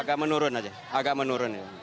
agak menurun aja agak menurun